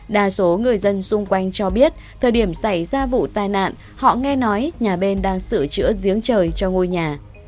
đa số người dân xung quanh cho biết thời điểm xảy ra vụ tai nạn họ nghe nói nhà bên đang sửa chữa giếng trời cho ngôi nhà